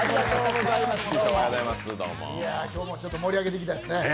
今日も盛り上げていきたいですね。